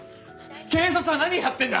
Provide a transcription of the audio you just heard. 警察は何やってんだ！